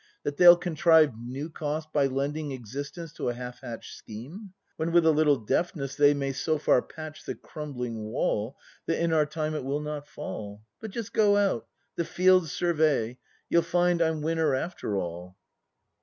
That they'll contrive new cost by lending Existence to a half hatch'd scheme? When with a little deftness they May so far patch the crumbling wall That in our time it will not fall ? But just go out! — the field survey, — You'll find, I'm winner after all.